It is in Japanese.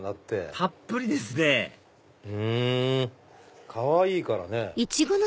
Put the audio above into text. たっぷりですねかわいいからね。